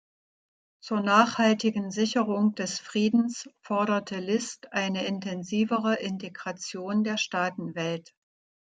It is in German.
Zur nachhaltigen Sicherung des Friedens forderte Liszt eine intensivere Integration der Staatenwelt.